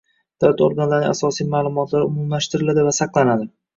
davlat organlarining asosiy ma’lumotlari umumlashtiriladi va saqlanadi.